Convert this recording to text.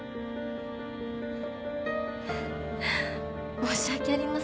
申し訳ありません。